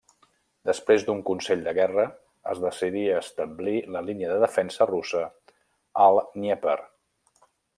Després d'un consell de guerra, es decidí establir la línia de defensa russa al Dnièper.